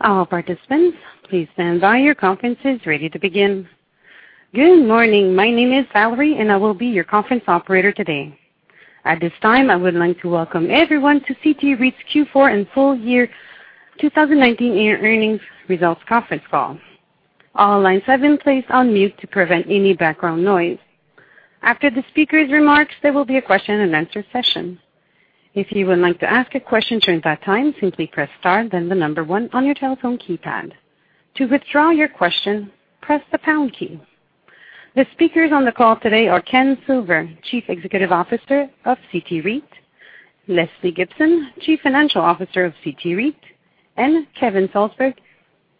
All participants, please stand by. Your conference is ready to begin. Good morning. My name is Valerie, and I will be your conference operator today. At this time, I would like to welcome everyone to CT REIT's Q4 and Full Year 2019 Earnings Results Conference Call. All lines have been placed on mute to prevent any background noise. After the speakers' remarks, there will be a question-and-answer session. If you would like to ask a question during that time, simply press the star and then the number one on your telephone keypad. To withdraw your question, press the pound key. The speakers on the call today are Ken Silver, Chief Executive Officer of CT REIT; Lesley Gibson, Chief Financial Officer of CT REIT; and Kevin Salsberg,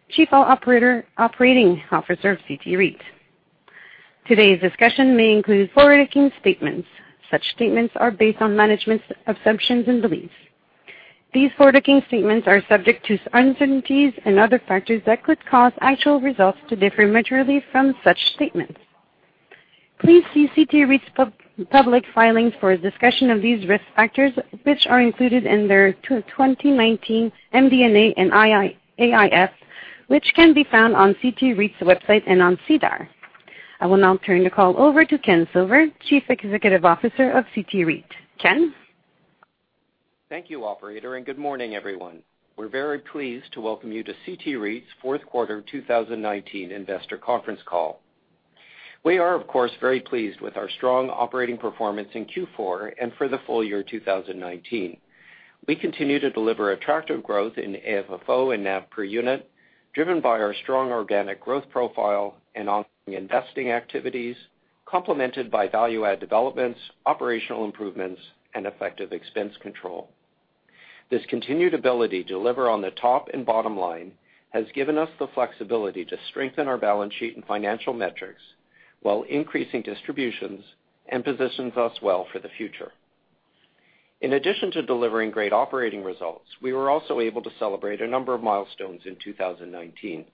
Chief Operating Officer of CT REIT. Today's discussion may include forward-looking statements. Such statements are based on management's assumptions and beliefs. These forward-looking statements are subject to uncertainties and other factors that could cause actual results to differ materially from such statements. Please see CT REIT's public filings for a discussion of these risk factors, which are included in their 2019 MD&A and AIF, which can be found on CT REIT's website and on SEDAR. I will now turn the call over to Ken Silver, Chief Executive Officer of CT REIT. Ken? Thank you, operator. Good morning, everyone. We are very pleased to welcome you to CT REIT's fourth quarter 2019 investor conference call. We are, of course, very pleased with our strong operating performance in Q4 and for the full year 2019. We continue to deliver attractive growth in AFFO and NAV per unit, driven by our strong organic growth profile and investing activities, complemented by value-add developments, operational improvements, and effective expense control. This continued ability to deliver on the top and bottom line has given us the flexibility to strengthen our balance sheet and financial metrics while increasing distributions and positions us well for the future. In addition to delivering great operating results, we were also able to celebrate a number of milestones in 2019.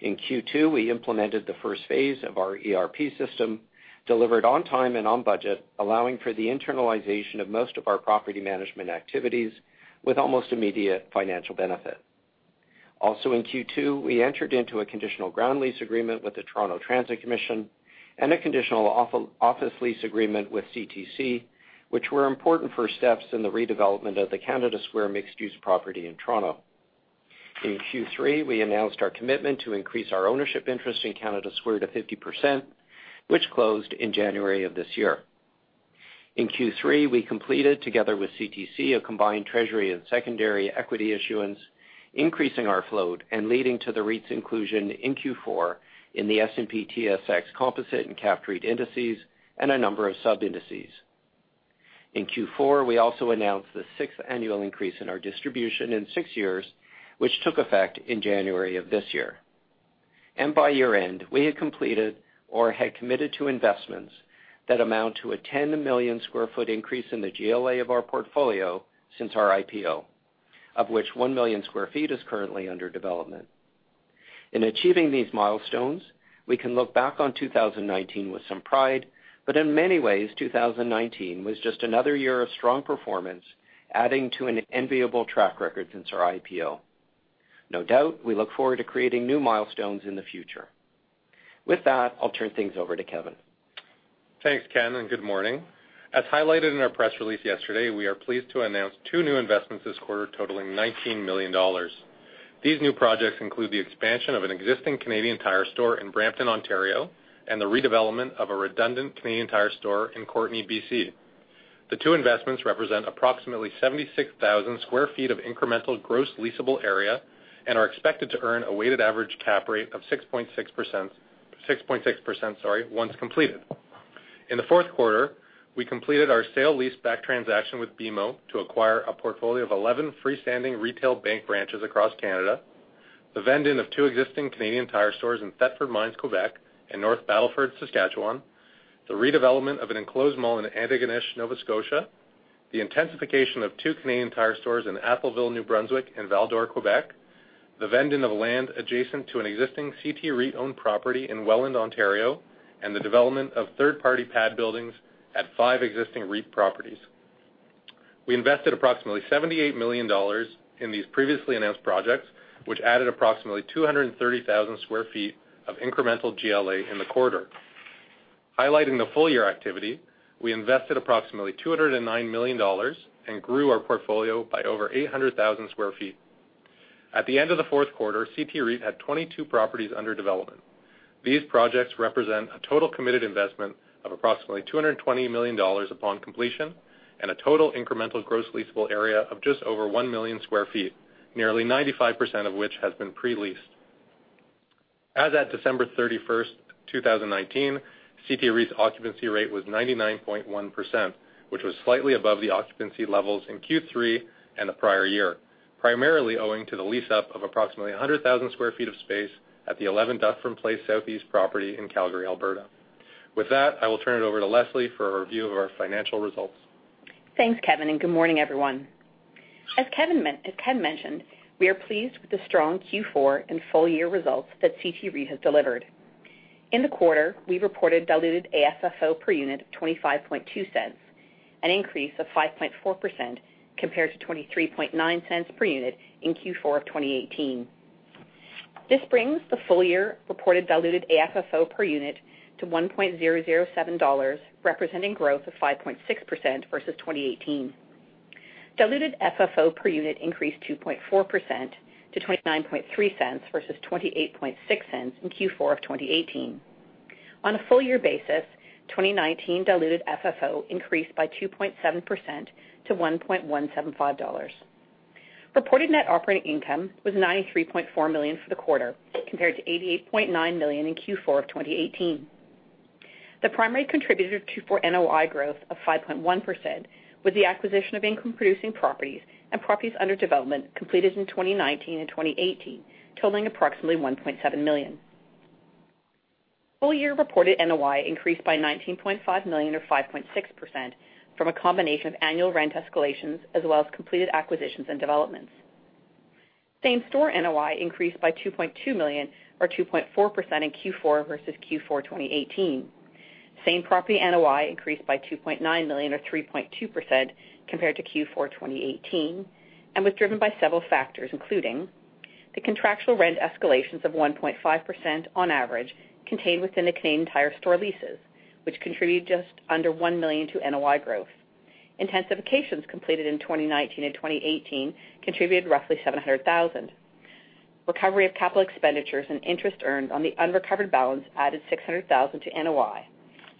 In Q2, we implemented the first phase of our ERP system, delivered on time and on budget, allowing for the internalization of most of our property management activities with almost immediate financial benefit. Also in Q2, we entered into a conditional ground lease agreement with the Toronto Transit Commission and a conditional office lease agreement with CTC, which were important first steps in the redevelopment of the Canada Square mixed-use property in Toronto. In Q3, we announced our commitment to increase our ownership interest in Canada Square to 50%, which closed in January of this year. In Q3, we completed, together with CTC, a combined treasury and secondary equity issuance, increasing our float and leading to the REIT's inclusion in Q4 in the S&P/TSX Composite and Capped REIT indices and a number of sub-indices. In Q4, we also announced the sixth annual increase in our distribution in six years, which took effect in January of this year. By year-end, we had completed or had committed to investments that amount to a 10 million sq ft increase in the GLA of our portfolio since our IPO, of which 1 million sq ft is currently under development. In achieving these milestones, we can look back on 2019 with some pride, but in many ways, 2019 was just another year of strong performance, adding to an enviable track record since our IPO. No doubt, we look forward to creating new milestones in the future. With that, I'll turn things over to Kevin. Thanks, Ken. Good morning. As highlighted in our press release yesterday, we are pleased to announce two new investments this quarter totaling 19 million dollars. These new projects include the expansion of an existing Canadian Tire store in Brampton, Ontario, and the redevelopment of a redundant Canadian Tire store in Courtenay, BC. The two investments represent approximately 76,000sq ft of incremental gross leasable area and are expected to earn a weighted average cap rate of 6.6% once completed. In the fourth quarter, we completed our sale leaseback transaction with BMO to acquire a portfolio of 11 freestanding retail bank branches across Canada, the vend-in of two existing Canadian Tire stores in Thetford Mines, Quebec, and North Battleford, Saskatchewan, the redevelopment of an enclosed mall in Antigonish, Nova Scotia, the intensification of two Canadian Tire stores in Atholville, New Brunswick, and Val-d'Or, Quebec, the vend-in of land adjacent to an existing CT REIT-owned property in Welland, Ontario, and the development of five third-party pad buildings at existing REIT properties. We invested approximately 78 million dollars in these previously announced projects, which added approximately 230,000sq ft of incremental GLA in the quarter. Highlighting the full-year activity, we invested approximately 209 million dollars and grew our portfolio by over 800,000sq ft. At the end of the fourth quarter, CT REIT had 22 properties under development. These projects represent a total committed investment of approximately 220 million dollars upon completion and a total incremental gross leasable area of just over 1 million sq ft, nearly 95% of which has been pre-leased. As of December 31, 2019, CT REIT's occupancy rate was 99.1%, which was slightly above the occupancy levels in Q3 and the prior year, primarily owing to the lease-up of approximately 100,000sq ft of space at the 11 Dufferin Place SE property in Calgary, Alberta. With that, I will turn it over to Lesley for a review of our financial results. Thanks, Kevin, and good morning, everyone. As Ken mentioned, we are pleased with the strong Q4 and full-year results that CT REIT has delivered. In the quarter, we reported diluted AFFO per unit of 0.252, an increase of 5.4% compared to 0.239 per unit in Q4 of 2018. This brings the full-year reported diluted AFFO per unit to 1.007 dollars, representing growth of 5.6% versus 2018. Diluted FFO per unit increased 2.4% to 0.293 versus 0.286 in Q4 of 2018. On a full-year basis, 2019 diluted FFO increased by 2.7% to 1.175 dollars. Reported net operating income was 93.4 million for the quarter, compared to 88.9 million in Q4 of 2018. The primary contributor to NOI growth of 5.1% was the acquisition of income-producing properties and properties under development completed in 2019 and 2018, totaling approximately 1.7 million. Full-year reported NOI increased by 19.5 million or 5.6% from a combination of annual rent escalations, as well as completed acquisitions and developments. Same-store NOI increased by 2.2 million or 2.4% in Q4 versus Q4 2018. Same-property NOI increased by 2.9 million or 3.2% compared to Q4 2018 and was driven by several factors, including the contractual rent escalations of 1.5% on average contained within the Canadian Tire store leases, which contributed just under 1 million to NOI growth. Intensifications completed in 2019 and 2018 contributed roughly 700,000. Recovery of capital expenditures and interest earned on the unrecovered balance added 600,000 to NOI.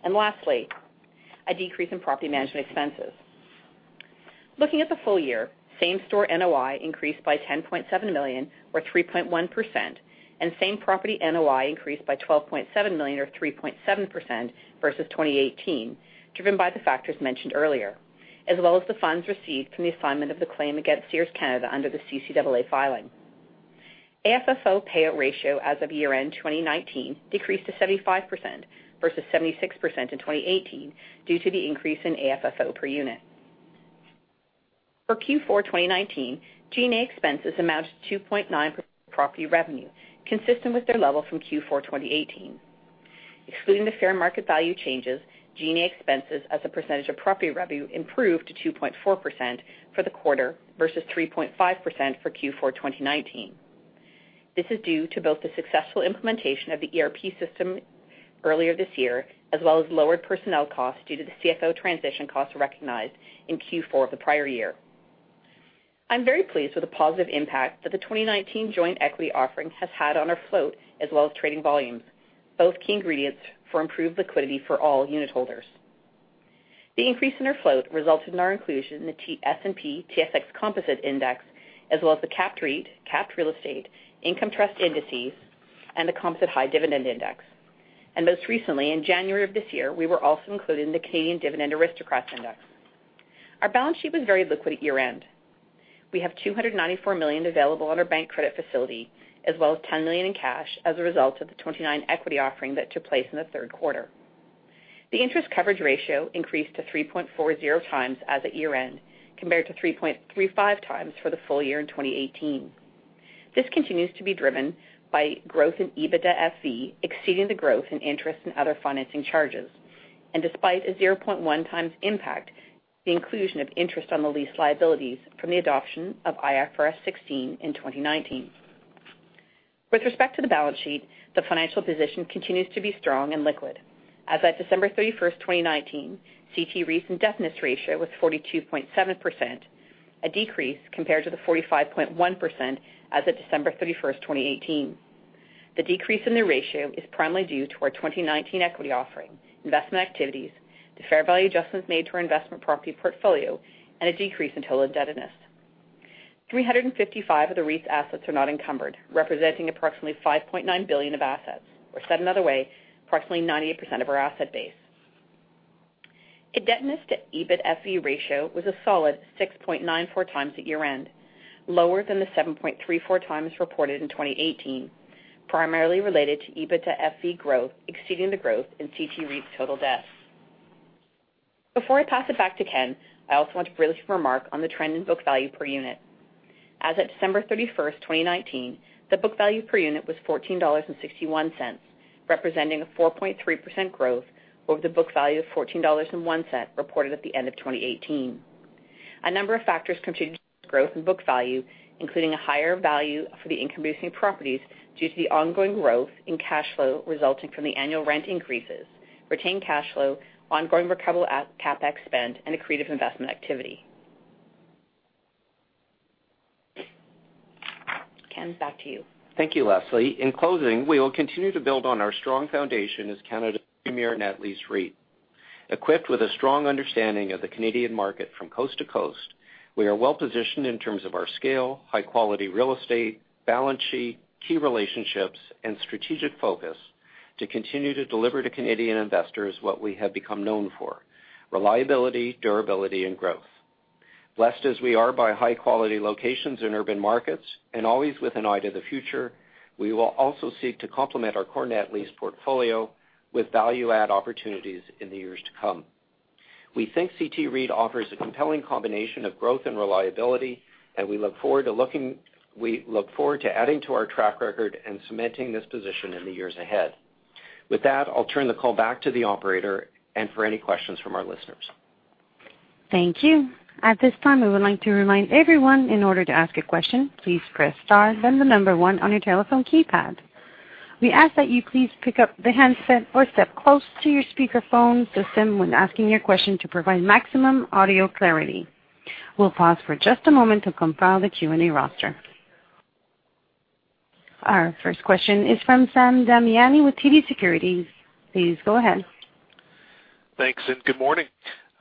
Lastly, a decrease in property management expenses. Looking at the full year, same-store NOI increased by 10.7 million or 3.1%, and same-property NOI increased by 12.7 million or 3.7% versus 2018, driven by the factors mentioned earlier, as well as the funds received from the assignment of the claim against Sears Canada under the CCAA filing. The AFFO payout ratio as of year-end 2019 decreased to 75% versus 76% in 2018 due to the increase in AFFO per unit. For Q4 2019, G&A expenses amounted to 2.9% of property revenue, consistent with their level from Q4 2018. Excluding the fair market value changes, G&A expenses as a percentage of property revenue improved to 2.4% for the quarter versus 3.5% for Q4 2019. This is due to both the successful implementation of the ERP system earlier this year and lowered personnel costs due to the CFO transition costs recognized in Q4 of the prior year. I'm very pleased with the positive impact that the 2019 joint equity offering has had on our float, as well as trading volumes, both key ingredients for improved liquidity for all unitholders. The increase in our float resulted in our inclusion in the S&P/TSX Composite Index, as well as the Capped REIT Index and the S&P/TSX Composite High Dividend Index. Most recently, in January of this year, we were also included in the Canadian Dividend Aristocrats Index. Our balance sheet was very liquid at year-end. We have 294 million available on our bank credit facility as well as 10 million in cash as a result of the 29 million equity offering that took place in the third quarter. The interest coverage ratio increased to 3.40x as of year-end, compared to 3.35x for the full year in 2018. This continues to be driven by growth in EBITFV exceeding the growth in interest and other financing charges. Despite a 0.1x impact, the inclusion of interest on the lease liabilities from the adoption of IFRS 16 in 2019. With respect to the balance sheet, the financial position continues to be strong and liquid. As at December 31st, 2019, CT REIT's indebtedness ratio was 42.7%, a decrease compared to the 45.1% as of December 31st, 2018. The decrease in the ratio is primarily due to our 2019 equity offering, investment activities, the fair value adjustments made to our investment property portfolio, and a decrease in total indebtedness. 355 of the REIT's assets are not encumbered, representing approximately 5.9 billion of assets, or, said another way, approximately 98% of our asset base. Indebtedness to EBITFV ratio was a solid 6.94x at year-end, lower than the 7.34x reported in 2018, primarily related to EBITFV growth exceeding the growth in CT REIT's total debt. Before I pass it back to Ken, I also want to briefly remark on the trend in book value per unit. As of December 31st, 2019, the book value per unit was 14.61 dollars, representing a 4.3% growth over the book value of 14.01 dollars reported at the end of 2018. A number of factors contributed to this growth in book value, including a higher value for the income-producing properties due to the ongoing growth in cash flow resulting from the annual rent increases, retained cash flow, ongoing recovery of CapEx spend, and accretive investment activity. Ken, back to you. Thank you, Lesley. In closing, we will continue to build on our strong foundation as Canada's premier net lease REIT. Equipped with a strong understanding of the Canadian market from coast to coast, we are well-positioned in terms of our scale, high-quality real estate, balance sheet, key relationships, and strategic focus to continue to deliver to Canadian investors what we have become known for: reliability, durability, and growth. Blessed as we are by high-quality locations in urban markets and always with an eye to the future, we will also seek to complement our core net lease portfolio with value-add opportunities in the years to come. We think CT REIT offers a compelling combination of growth and reliability, and we look forward to adding to our track record and cementing this position in the years ahead. With that, I'll turn the call back to the operator for any questions from our listeners. Thank you. At this time, we would like to remind everyone: in order to ask a question, please press the star, then the number one on your telephone keypad. We ask that you please pick up the handset or step close to your speakerphone system when asking your question to provide maximum audio clarity. We will pause for just a moment to compile the Q&A roster. Our first question is from Sam Damiani with TD Securities. Please go ahead. Thanks and good morning.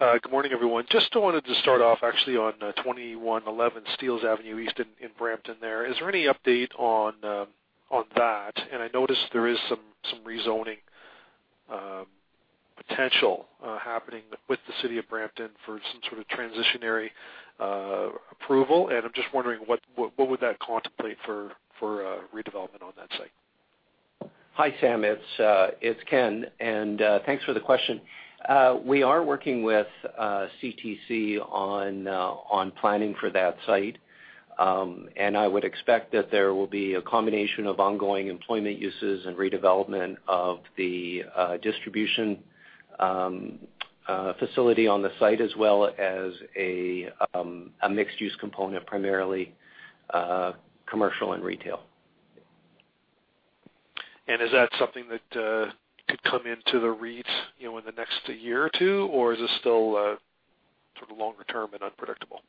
Good morning, everyone. Just wanted to start off actually on 2111 Steeles Avenue East in Brampton there. Is there any update on that? I noticed there is some rezoning potential happening with the city of Brampton for some sort of transitional approval, and I'm just wondering what that would contemplate for redevelopment on that site. Hi, Sam. It's Ken. Thanks for the question. We are working with CTC on planning for that site. I would expect that there will be a combination of ongoing employment uses and redevelopment of the distribution facility on the site, as well as a mixed-use component, primarily commercial and retail. Is that something that could come into the REITs in the next year or two, or is this still sort of longer-term and unpredictable?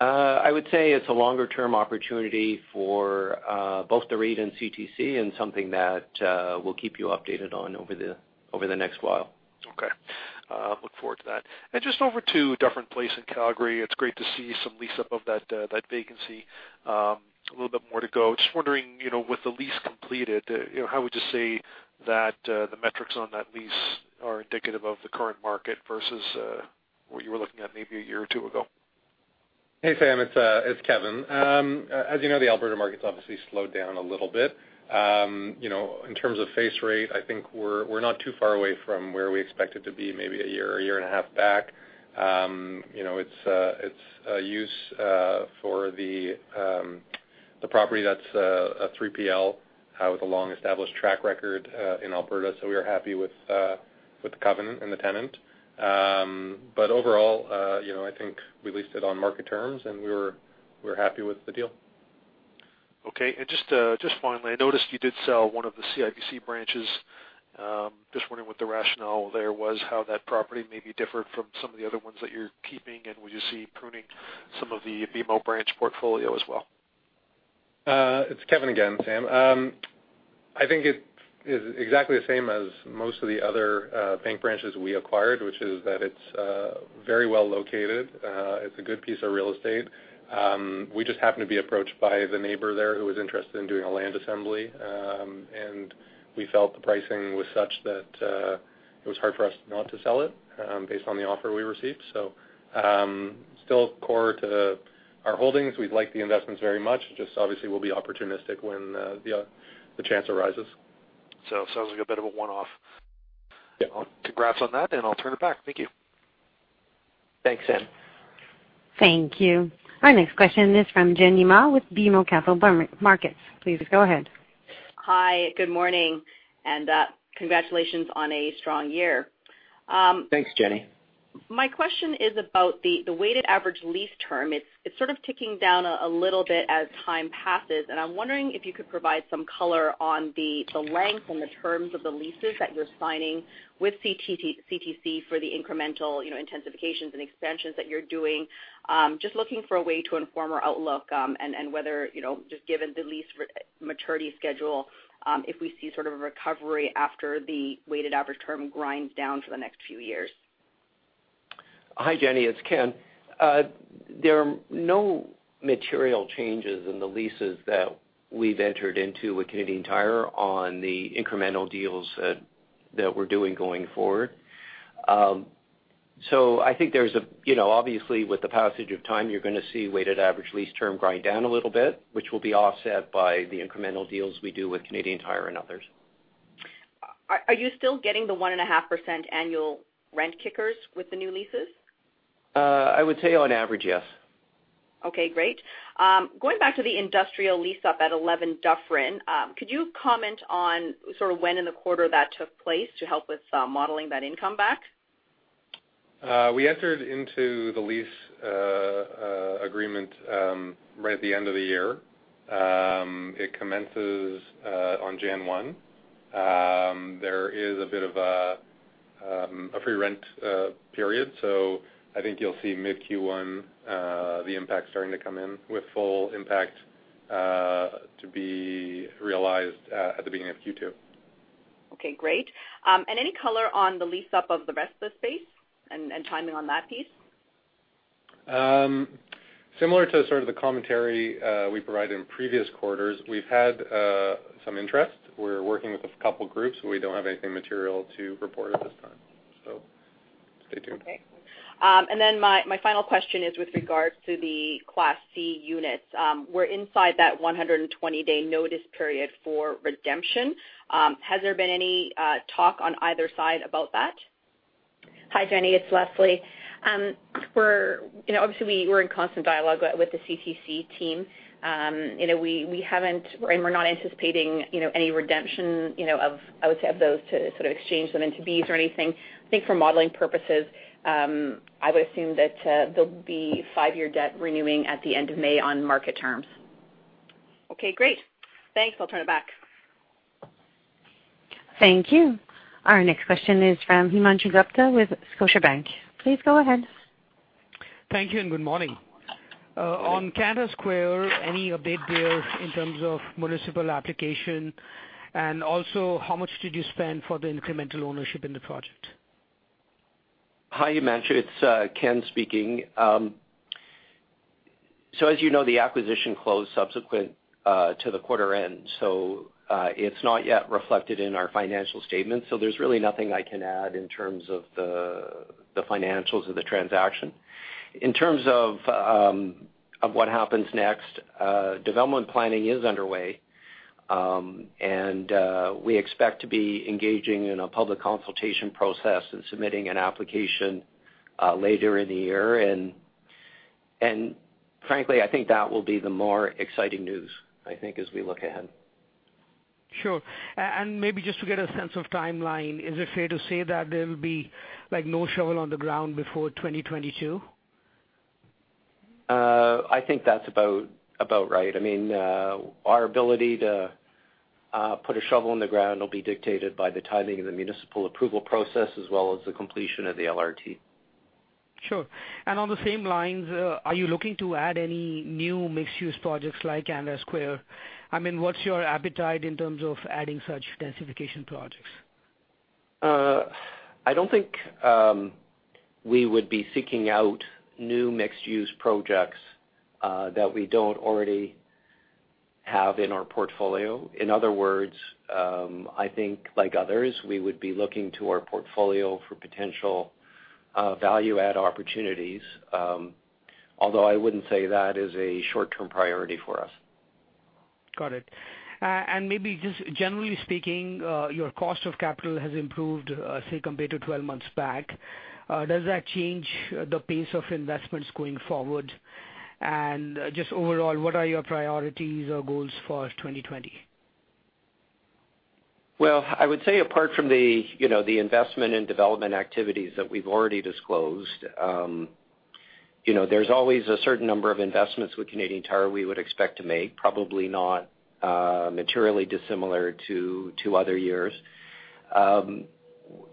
I would say it's a longer-term opportunity for both the REIT and CTC and something that we'll keep you updated on over the next while. Okay. Look forward to that. Just over to a different place in Calgary. It's great to see some lease-up of that vacancy. A little bit more to go. Just wondering, with the lease completed, how would you say that the metrics on that lease are indicative of the current market versus what you were looking at maybe a year or two ago? Hey, Sam, it's Kevin. As you know, the Alberta market's obviously slowed down a little bit. In terms of face rate, I think we're not too far away from where we expected to be maybe a year or a year and a half back. It's a use for the property that's a 3PL with a long-established track record in Alberta, so we are happy with the covenant and the tenant. Overall, I think we leased it on market terms, and we're happy with the deal. Okay. Just finally, I noticed you did sell one of the CIBC branches. Just wondering what the rationale there was, how that property may be different from some of the other ones that you're keeping, and would you see pruning some of the BMO branch portfolio as well? It's Kevin again, Sam. I think it is exactly the same as most of the other bank branches we acquired, which is that it's very well located. It's a good piece of real estate. We just happened to be approached by the neighbor there who was interested in doing a land assembly. We felt the pricing was such that it was hard for us not to sell it based on the offer we received. Still core to our holdings. We like the investments very much. Just obviously, we'll be opportunistic when the chance arises. Sounds like a bit of a one-off. Yeah. Congrats on that. I'll turn it back. Thank you. Thanks, Sam. Thank you. Our next question is from Jenny Ma with BMO Capital Markets. Please go ahead. Hi, good morning, and congratulations on a strong year. Thanks, Jenny. My question is about the weighted average lease term. It's sort of ticking down a little bit as time passes, and I'm wondering if you could provide some color on the length and the terms of the leases that you're signing with CTC for the incremental intensifications and expansions that you're doing. Just looking for a way to inform our outlook and see whether, just given the lease maturity schedule, we see sort of a recovery after the weighted average term grinds down for the next few years. Hi, Jenny. It's Ken. There are no material changes in the leases that we've entered into with Canadian Tire on the incremental deals that we're doing going forward. I think, obviously, with the passage of time, you're going to see the weighted average lease term grind down a little bit, which will be offset by the incremental deals we do with Canadian Tire and others. Are you still getting the 1.5% Annual rent kickers with the new leases? I would say on average, yes. Okay, great. Going back to the industrial lease-up at 11 Dufferin, could you comment on sort of when in the quarter that took place to help with modeling that income back? We entered into the lease agreement right at the end of the year. It commences on January 1. There is a bit of a free rent period. I think you'll see mid-Q1, the impact starting to come in, with full impact to be realized at the beginning of Q2. Okay, great. Any color on the lease-up of the rest of the space and timing on that piece? Similar to the commentary we provided in previous quarters, we've had some interest. We're working with a couple groups. We don't have anything material to report at this time. Stay tuned. My final question is with regards to the Class C units. We're inside that 120-day notice period for redemption. Has there been any talk on either side about that? Hi, Jenny. It's Lesley. Obviously, we're in constant dialogue with the CTC team. We're not anticipating any redemption of those to sort of exchange them for Bs or anything. I think for modeling purposes, I would assume that there'll be five-year debt renewing at the end of May on market terms. Okay, great. Thanks. I'll turn it back. Thank you. Our next question is from Himanshu Gupta with Scotiabank. Please go ahead. Thank you, and good morning. On Canada Square, any update there in terms of municipal application? Also, how much did you spend for the incremental ownership in the project? Hi, Himanshu, it's Ken speaking. As you know, the acquisition closed subsequent to the quarter-end, so it's not yet reflected in our financial statements. There's really nothing I can add in terms of the financials of the transaction. In terms of what happens next, development planning is underway. We expect to be engaging in a public consultation process and submitting an application later in the year. Frankly, I think that will be the more exciting news, I think, as we look ahead. Sure. Maybe just to get a sense of the timeline, is it fair to say that there will be no shovel on the ground before 2022? I think that's about right. Our ability to put a shovel in the ground will be dictated by the timing of the municipal approval process, as well as the completion of the LRT. Sure. On the same lines, are you looking to add any new mixed-use projects like Canada Square? What's your appetite in terms of adding such densification projects? I don't think we would be seeking out new mixed-use projects that we don't already have in our portfolio. In other words, I think, like others, we would be looking to our portfolio for potential value-add opportunities. Although I wouldn't say that is a short-term priority for us. Got it. Maybe just generally speaking, your cost of capital has improved, say, compared to 12 months back. Does that change the pace of investments going forward? Just overall, what are your priorities or goals for 2020? Well, I would say apart from the investment and development activities that we've already disclosed, there's always a certain number of investments with Canadian Tire we would expect to make, probably not materially dissimilar to other years.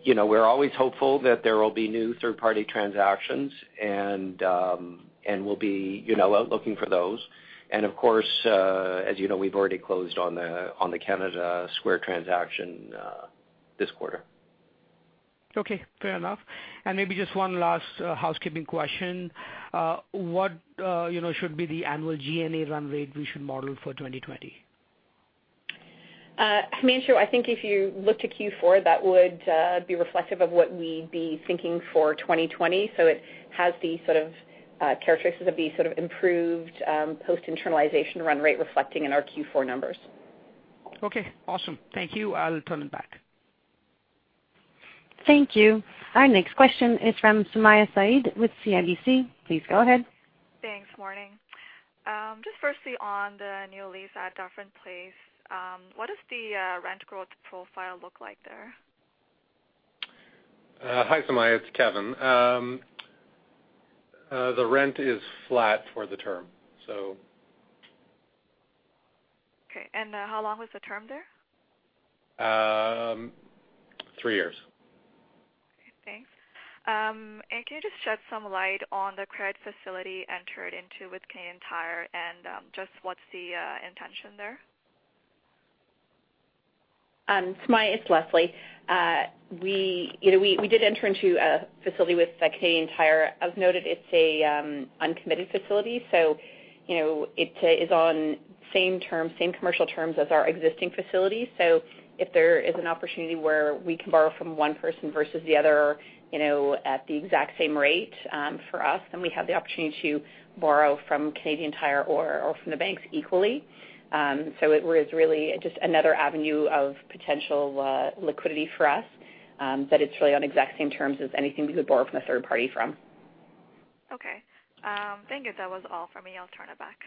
We're always hopeful that there will be new third-party transactions, and we'll be out looking for those. And of course, as you know, we've already closed on the Canada Square transaction this quarter. Okay, fair enough. Maybe just one last housekeeping question. What should be the annual G&A run rate we should model for 2020? Himanshu, I think if you looked at Q4, that would be reflective of what we'd be thinking for 2020. It has the sort of characteristics of the sort of improved post-internalization run rate reflected in our Q4 numbers. Okay, awesome. Thank you. I'll turn it back. Thank you. Our next question is from Sumayya Syed with CIBC. Please go ahead. Thanks. Morning. Just firstly on the new lease at Dufferin Place. What does the rent growth profile look like there? Hi, Sumayya, it's Kevin. The rent is flat for the term. Okay. How long was the term there? Three years. Okay, thanks. Can you just shed some light on the credit facility entered into with Canadian Tire, and just what's the intention there? Sumayya, it's Lesley. We did enter into a facility with Canadian Tire. As noted, it's an uncommitted facility, so it is on the same commercial terms as our existing facility. If there is an opportunity where we can borrow from one person versus the other, at the exact same rate for us, then we have the opportunity to borrow from Canadian Tire or from the banks equally. It was really just another avenue of potential liquidity for us. It's really on the exact same terms as anything we could borrow from a third party. Okay. Thank you. That was all for me. I'll turn it back.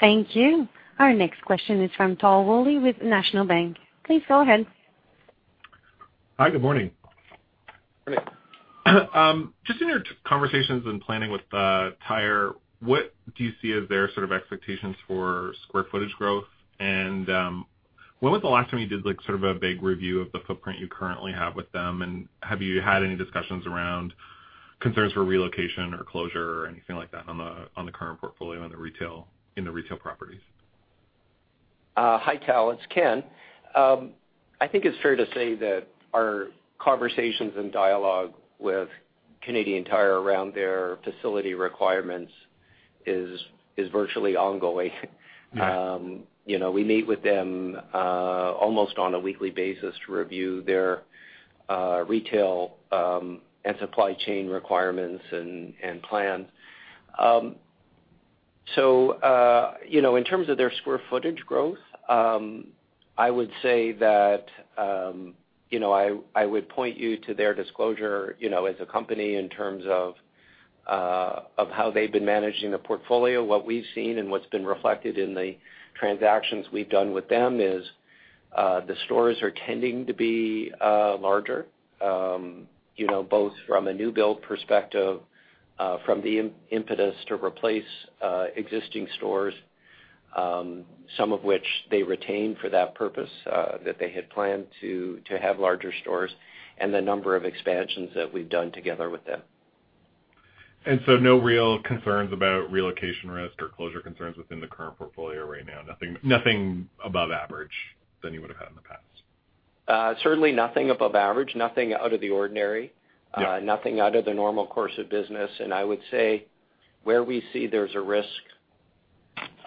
Thank you. Our next question is from Tal Woolley with National Bank. Please go ahead. Hi, good morning. Morning. Just in your conversations and planning with Tire, what do you see as their sort of expectations for square-footage growth? When was the last time you did sort of a big review of the footprint you currently have with them, and have you had any discussions around concerns for relocation or closure or anything like that on the current portfolio in the retail properties? Hi, Tal, it's Ken. I think it's fair to say that our conversations and dialogue with Canadian Tire around their facility requirements are virtually ongoing. Yeah. We meet with them almost on a weekly basis to review their retail and supply chain requirements and plans. In terms of their square footage growth, I would say that I would point you to their disclosure as a company in terms of how they've been managing the portfolio. What we've seen and what's been reflected in the transactions we've done with them is that the stores are tending to be larger, both from a new-build perspective and from the impetus to replace existing stores, some of which they retained for that purpose; they had planned to have larger stores, and the number of expansions that we've done together with them. No real concerns about relocation risk or closure concerns within the current portfolio right now? Nothing above average that you would've had in the past. Certainly nothing above average. Nothing out of the ordinary. Yeah. Nothing out of the normal course of business. I would say where we see there's a risk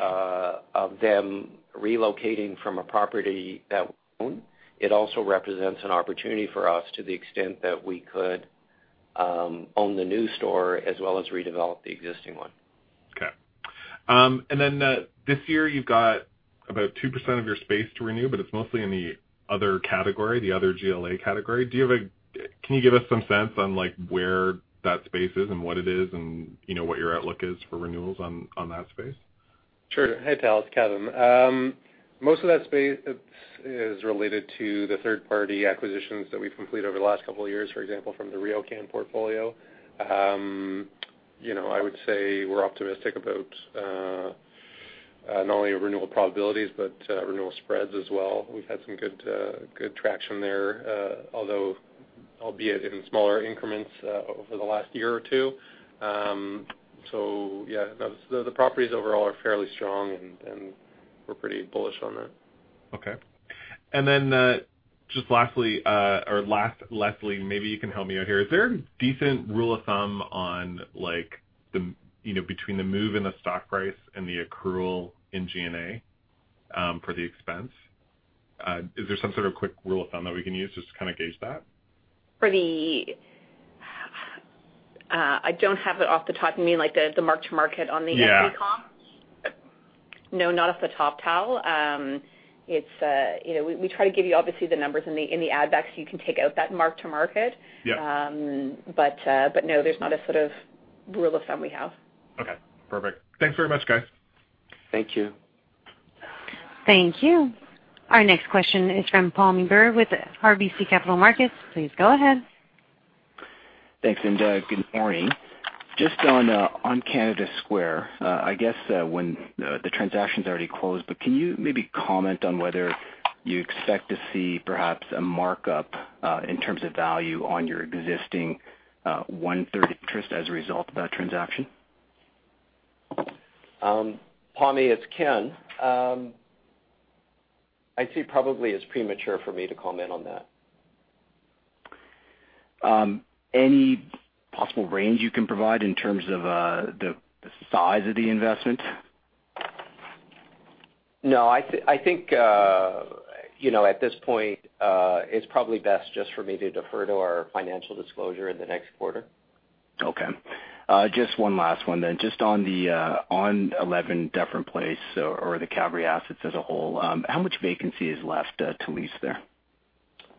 of them relocating from a property that we own, it also represents an opportunity for us to the extent that we could own the new store as well as redevelop the existing one. Okay. This year, you've got about 2% of your space to renew, but it's mostly in the other category, the other GLA category. Can you give us some sense of where that space is and what it is and what your outlook is for renewals on that space? Sure. Hey, Tal, it's Kevin. Most of that space is related to the third-party acquisitions that we've completed over the last couple of years, for example, from the RioCan portfolio. I would say we're optimistic about not only renewal probabilities but renewal spreads as well. We've had some good traction there, although albeit in smaller increments, over the last year or two. Yeah, the properties overall are fairly strong, and we're pretty bullish on that. Okay. Just lastly, maybe you can help me out here. Is there a decent rule of thumb between the move in the stock price and the accrual in G&A, for the expense? Is there some sort of quick rule of thumb that we can use just to kind of gauge that? I don't have it off the top of my head, like the mark to market on the— Yeah [inaudible] No, not off the top, Tal. We try to give you obviously the numbers in the add-backs; you can take out that mark-to-market. Yeah. No, there's not a sort of rule of thumb we have. Okay, perfect. Thanks very much, guys. Thank you. Thank you. Our next question is from Pammi Bir with RBC Capital Markets. Please go ahead. Thanks, good morning. Just on Canada Square, I guess, when the transaction's already closed, but can you maybe comment on whether you expect to see perhaps a markup in terms of value on your existing one-third interest as a result of that transaction? Pammi, it's Ken. I'd say probably it's premature for me to comment on that. Any possible range you can provide in terms of the size of the investment? No. I think, at this point, it's probably best just for me to defer to our financial disclosure in the next quarter. Okay. Just one last one then. Just at 11 Dufferin Place or the Calgary assets as a whole, how much vacancy is left to lease there?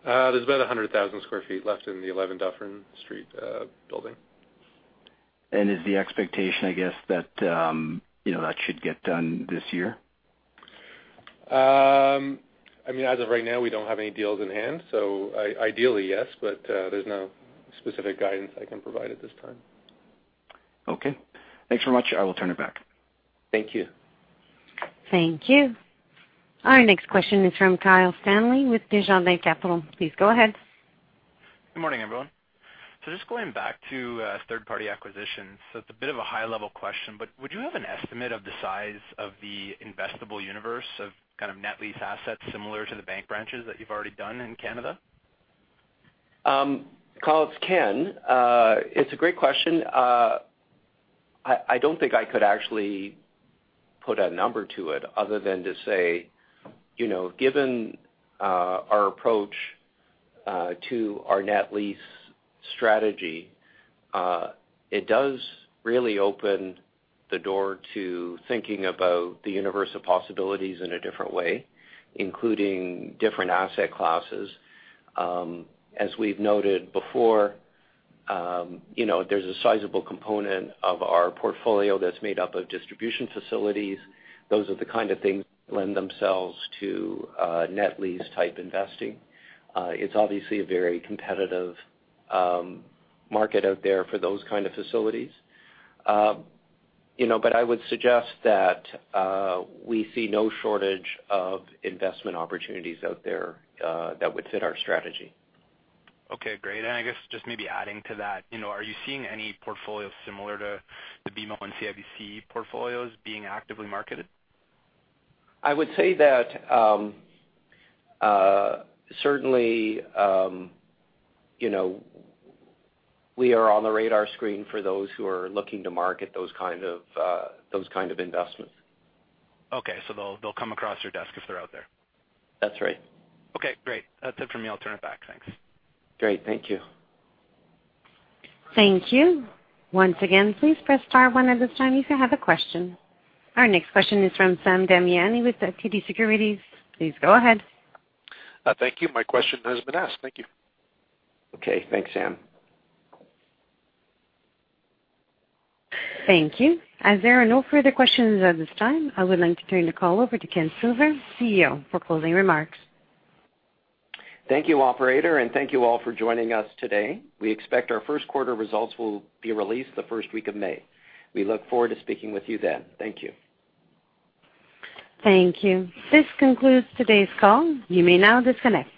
There are about 100,000sq ft left in the 11 Dufferin Place SE building. Is that the expectation, I guess, that should get done this year? As of right now, we don't have any deals in hand, so ideally, yes, but there's no specific guidance I can provide at this time. Okay. Thanks very much. I will turn it back. Thank you. Thank you. Our next question is from Kyle Stanley with Desjardins Capital. Please go ahead. Good morning, everyone. Just going back to third-party acquisitions. It's a bit of a high-level question, but would you have an estimate of the size of the investable universe of the kind of net lease assets similar to the bank branches that you've already done in Canada? Kyle, it's Ken. It's a great question. I don't think I could actually put a number to it other than to say, given our approach to our net lease strategy, it does really open the door to thinking about the universe of possibilities in a different way, including different asset classes. As we've noted before, there's a sizable component of our portfolio that's made up of distribution facilities. Those are the kind of things that lend themselves to net-lease-type investing. It's obviously a very competitive market out there for those kinds of facilities. I would suggest that we see no shortage of investment opportunities out there that would fit our strategy. Okay, great. I guess just maybe adding to that, are you seeing any portfolios similar to the BMO and CIBC portfolios being actively marketed? I would say that, certainly, we are on the radar screen for those who are looking to market those kinds of investments. Okay. They'll come across your desk if they're out there. That's right. Okay, great. That's it for me. I'll turn it back. Thanks. Great. Thank you. Thank you. Once again, please press star one at this time if you have a question. Our next question is from Sam Damiani with TD Securities. Please go ahead. Thank you. My question has been asked. Thank you. Okay. Thanks, Sam. Thank you. As there are no further questions at this time, I would like to turn the call over to Ken Silver, CEO, for closing remarks. Thank you, operator, and thank you all for joining us today. We expect our first-quarter results will be released the first week of May. We look forward to speaking with you then. Thank you. Thank you. This concludes today's call. You may now disconnect.